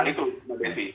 nah itu mbak desi